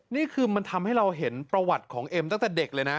นี่คือมันทำให้เราเห็นประวัติของเอ็มตั้งแต่เด็กเลยนะ